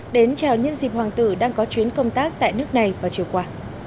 đến chào nhân dịp hoàng tử đang có chuyến công tác tại nước này vào chiều qua